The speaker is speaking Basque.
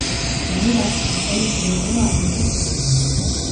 Gainera, ertzainek telefonoa apurtu zioten.